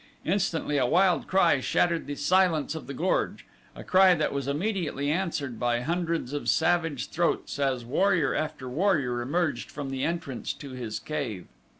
Instantly a wild cry shattered the silence of the gorge a cry that was immediately answered by hundreds of savage throats as warrior after warrior emerged from the entrance to his cave.